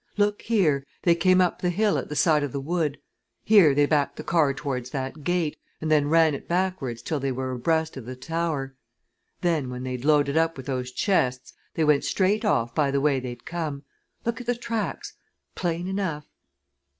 "Look here! they came up the hill at the side of the wood here they backed the car towards that gate, and then ran it backwards till they were abreast of the tower then, when they'd loaded up with those chests they went straight off by the way they'd come. Look at the tracks plain enough."